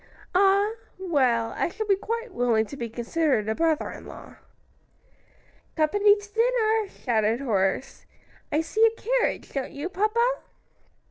"Ah! well, I shall be quite willing to be considered a brother in law." "Company to dinner!" shouted Horace. "I see a carriage; don't you, papa?"